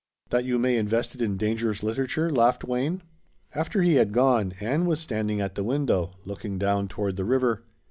"That you may invest it in dangerous literature?" laughed Wayne. After he had gone Ann was standing at the window, looking down toward the river.